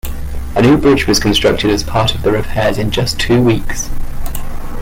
A new bridge was constructed as part of the repairs in just two weeks.